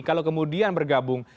kalau kemudian bergabung